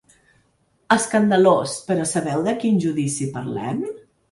Escandalós, però sabeu de quin judici parlem?